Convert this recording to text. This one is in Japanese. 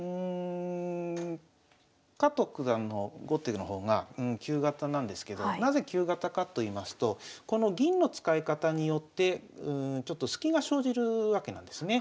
加藤九段の後手の方が旧型なんですけどなぜ旧型かといいますとこの銀の使い方によってちょっとスキが生じるわけなんですね。